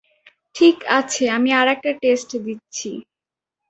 ঠিক আছে, আমি আরেকটা টেষ্ট দিচ্ছি?